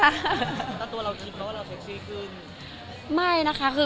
ถ้าตัวเราอีกเขาขึ้น